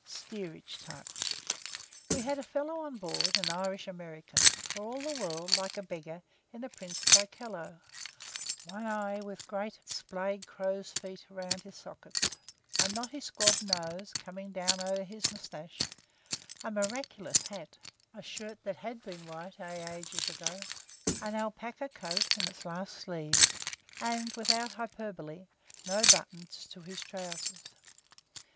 STEERAGE TYPES We had a fellow on board, an Irish American, for all the world like a beggar in a print by Callot; one eyed, with great, splay crow's feet round the sockets; a knotty squab nose coming down over his moustache; a miraculous hat; a shirt that had been white, ay, ages long ago; an alpaca coat in its last sleeves; and, without hyperbole, no buttons to his trousers.